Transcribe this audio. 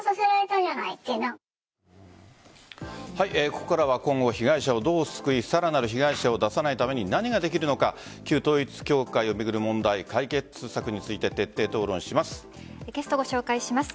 ここからは今後被害者をどう救いさらなる被害者を出さないために何ができるのか旧統一教会を巡る問題解決策について徹底討論します。